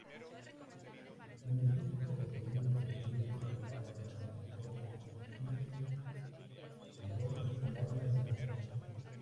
En el piso segundo estuvieron instalados tras la reforma espaciosos comedores y aulas diversas.